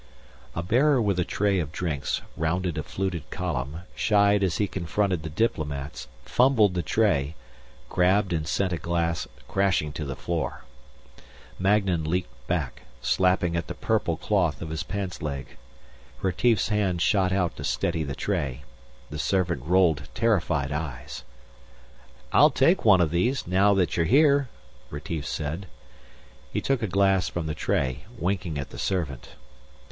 A bearer with a tray of drinks rounded a fluted column, shied as he confronted the diplomats, fumbled the tray, grabbed and sent a glass crashing to the floor. Magnan leaped back, slapping at the purple cloth of his pants leg. Retief's hand shot out to steady the tray. The servant rolled terrified eyes. "I'll take one of these, now that you're here," Retief said. He took a glass from the tray, winking at the servant.